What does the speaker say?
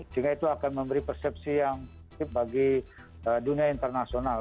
sehingga itu akan memberi persepsi yang bagi dunia internasional